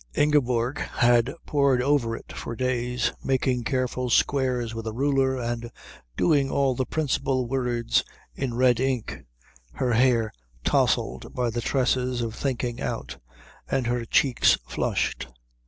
Ingeborg had pored over it for days, making careful squares with a ruler and doing all the principal words in red ink, her hair touzled by the stresses of thinking out, and her cheeks flushed.